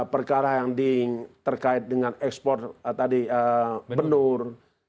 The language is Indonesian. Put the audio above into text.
perkara yang terkait dengan ekspor tadi benur